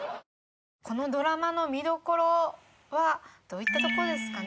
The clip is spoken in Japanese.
このドラマの見どころはどういったところですかね？